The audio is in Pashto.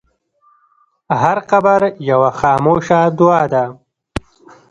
هر قبر یوه خاموشه دعا ده.